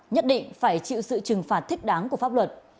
nhất định phải chịu sự trừng phạt thích đáng của pháp luật